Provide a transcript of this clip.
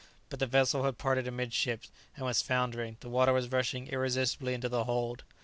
But the vessel had parted amidships, and was foundering; the water was rushing irresistibly into the hold.